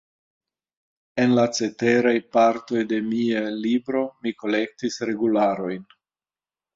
En la ceteraj partoj de mia libro mi kolektis regularojn.